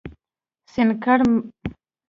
سینکلر محکمې ته حاضر کړل شو.